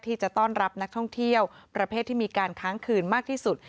ที่จะต้อนรับนักท่องเที่ยวประเภทที่มีการค้างคืนมากที่สุด